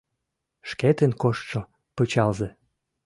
Шкетын коштшо пычалзе